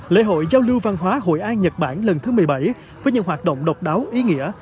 lễ hội giao lưu văn hóa hội an nhật bản lần thứ một mươi bảy với những hoạt động độc đáo ý nghĩa